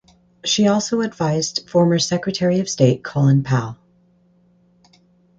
She also advised former Secretary of State Colin Powell.